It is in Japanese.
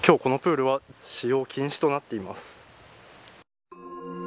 今日、このプールは使用禁止となっています。